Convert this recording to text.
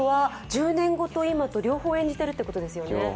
１０年ごと今、両方演じているということですか？